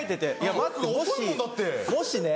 待ってもしもしね